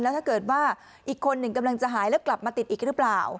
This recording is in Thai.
ถ้าเกิดว่าอีกคนหนึ่งกำลังจะหายแล้วกลับมาติดอีกหรือเปล่า